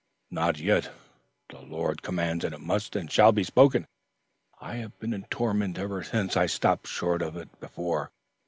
"Not yet. The Lord commands, and it must and shall be spoken. I have been in torments ever since I stopped short of it before.